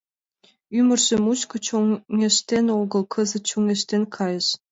— Ӱмыржӧ мучко чоҥештен огыл, кызыт чоҥештен кайыш.